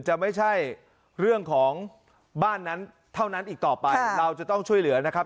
จะไม่ใช่เรื่องของบ้านนั้นเท่านั้นอีกต่อไปเราจะต้องช่วยเหลือนะครับ